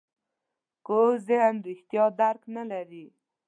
کوږ ذهن رښتیا درک نه کړي